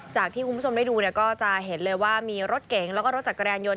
ที่คุณผู้ชมได้ดูเนี่ยก็จะเห็นเลยว่ามีรถเก๋งแล้วก็รถจักรยานยนต